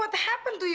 apa yang terjadi